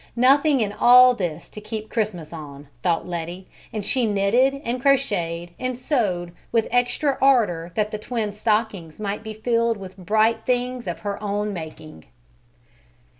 Nothing in all this to keep Christmas on, thought Letty, and she knitted and crocheted and sewed with extra ardor that the twins' stockings might be filled with bright things of her own making.